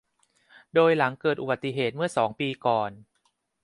โดยหลังเกิดอุบัติเหตุเมื่อสองปีก่อน